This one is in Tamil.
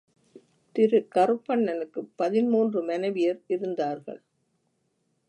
திரு கருப்பண்ணனுக்குப் பதின்மூன்று மனைவியர் இருந்தார்கள்.